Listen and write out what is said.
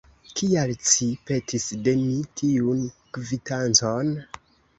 Kial ci petis de mi tiun kvitancon?